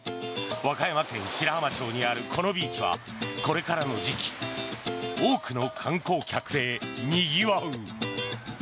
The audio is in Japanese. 和歌山県白浜町にあるこのビーチはこれからの時期多くの観光客でにぎわう。